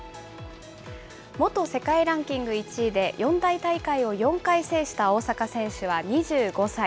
元世界ランキング１位で、四大大会を４回制した大坂選手は２５歳。